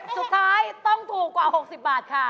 สุดท้ายต้องถูกกว่า๖๐บาทค่ะ